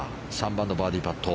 ３番のバーディーパット。